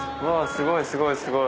すごいすごいすごい。